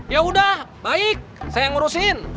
ya udah baik saya yang ngurusin